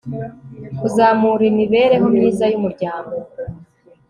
Kuzamura imibereho myiza y umuryango